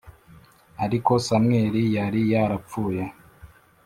ariko samweli yari yarapfuye